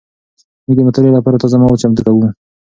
موږ د مطالعې لپاره تازه مواد چمتو کوو.